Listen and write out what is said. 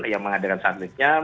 yang mengadakan slatednya